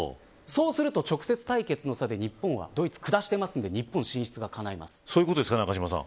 そうすると直接対決で日本はドイツを下しているので日本の進出がかないます。